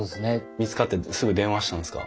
見つかってすぐ電話したんですか？